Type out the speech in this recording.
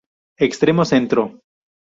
Extremo Centro".